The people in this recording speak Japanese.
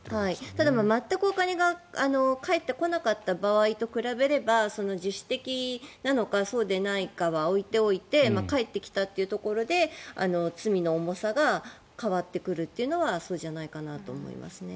ただ、全くお金が返ってこなかった場合と比べれば自主的なのか、そうでないかは置いておいて返ってきたというところで罪の重さが変わってくるというのはそうじゃないかと思いますね。